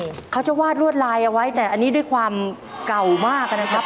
ใช่เขาจะวาดลวดลายเอาไว้แต่อันนี้ด้วยความเก่ามากนะครับ